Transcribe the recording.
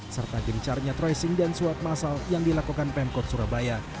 serta gencarnya tracing dan suap masal yang dilakukan pemkot surabaya